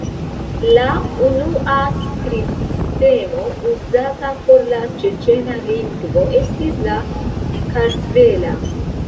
La unua skribsistemo uzata por la ĉeĉena lingvo estis la kartvela.